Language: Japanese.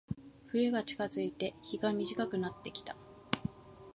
冬が近づいて、日が短くなってきた。